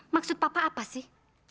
maksud papa apa sih